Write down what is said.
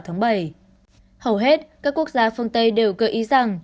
tháng bảy hầu hết các quốc gia phương tây đều gợi ý rằng